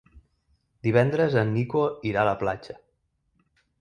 Divendres en Nico irà a la platja.